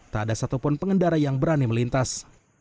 tak ada satupun pengendara yang berani melintas